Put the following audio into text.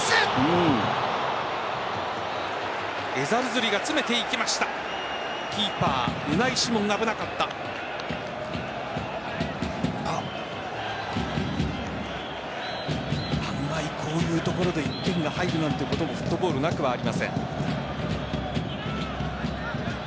あまりこういうところで１点が入るなんてこともフットボールなくはありません。